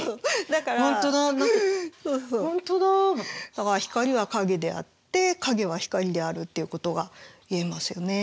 だから光は影であって影は光であるっていうことが言えますよね。